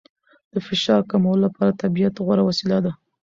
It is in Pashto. د فشار کمولو لپاره طبیعت غوره وسیله ده.